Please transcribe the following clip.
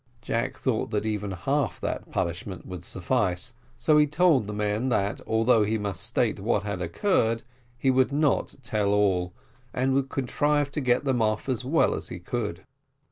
Jack thought that even half that punishment would suffice; so he told the men, that although he must state what had occurred, he would not tell all, and would contrive to get them off as well as he could.